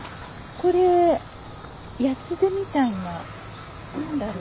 これヤツデみたいな何だろう？